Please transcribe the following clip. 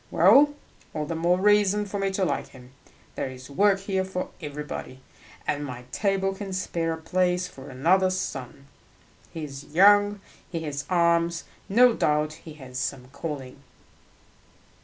"Well, all the more reason for me to like him. There is work here for everybody, and my table can spare a place for another son. He is young, he has arms; no doubt he has some calling."